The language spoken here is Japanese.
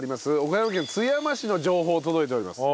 岡山県津山市の情報届いております。